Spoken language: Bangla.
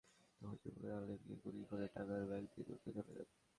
তখন যুবকেরা আলীমকে গুলি করে টাকার ব্যাগ নিয়ে দ্রুত চলে যান।